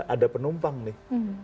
ada penumpang nih